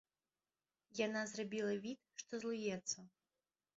Яна зрабіла від, што злуецца.